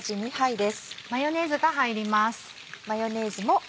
マヨネーズが入ります。